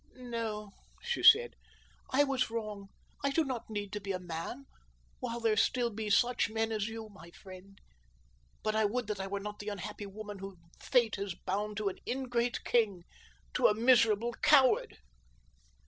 "No," she said, "I was wrong—I do not need to be a man while there still be such men as you, my friend; but I would that I were not the unhappy woman whom Fate had bound to an ingrate king—to a miserable coward!"